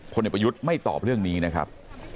เด็กประยุทธ์ไม่ตอบเรื่องนี้นะครับ